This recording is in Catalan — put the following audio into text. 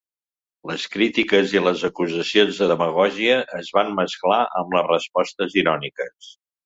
Les crítiques i les acusacions de demagògia es van mesclar amb les respostes iròniques.